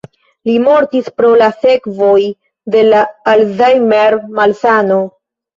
Li mortis pro la sekvoj de la Alzheimer-malsano.